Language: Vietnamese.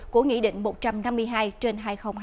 của nghị định một trăm năm mươi hai trên hai nghìn hai mươi